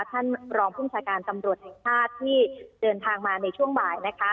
ท่านรองภูมิชาการตำรวจแห่งชาติที่เดินทางมาในช่วงบ่ายนะคะ